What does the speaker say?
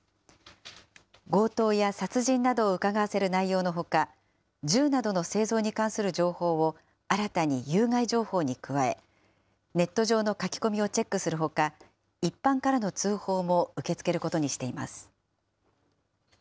強盗や殺人などをうかがわせる内容のほか、銃などの製造に関する情報を新たに有害情報に加え、ネット上の書き込みをチェックするほか、一般からの通報も受け付けることにしています。